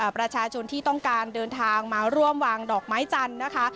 ประชาชนที่ต้องการเดินทางมาร่วมวางดอกไม้จันทร์นะคะ